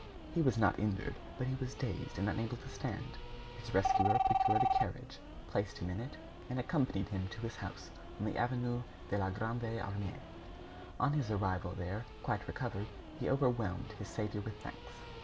He was not injured, but he was dazed and unable to stand. His rescuer procured a carriage, placed him in it, and accompanied him to his house on the avenue de la Grande Armée. On his arrival there, quite recovered, he overwhelmed his saviour with thanks.